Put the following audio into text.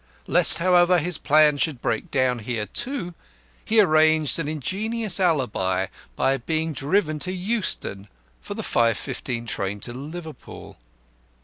Lest, however, his plan should break down here, too, he arranged an ingenious alibi by being driven to Euston for the 5.15 train to Liverpool.